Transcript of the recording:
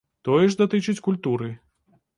Тое ж датычыць культуры.